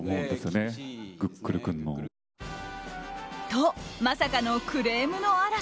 と、まさかのクレームの嵐。